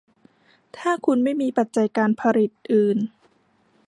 ถ้าคุณไม่มีปัจจัยการผลิตอื่น